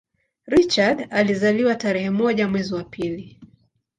Richard alizaliwa tarehe moja mwezi wa pili